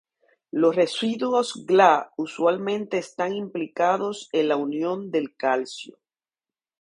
Los residuos Gla usualmente están implicados en la unión del calcio.